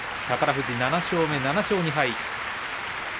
宝富士、７勝目、７勝２敗。